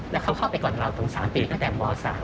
แล้วเขาเข้าไปก่อนเราตรง๓ปีตั้งแต่ม๓